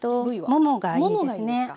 ももがいいですか。